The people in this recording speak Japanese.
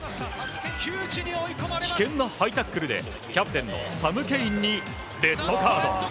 危険なハイタックルでキャプテンのサム・ケインにレッドカード。